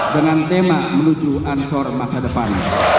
dengan tema menuju ansor masa depan